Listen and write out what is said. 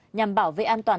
nhằm bảo vệ an toàn